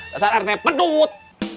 rasanya rt pendut